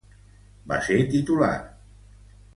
Va ser titular